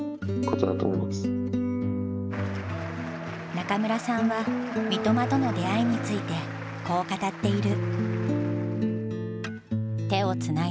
中村さんは三笘との出会いについてこう語っている。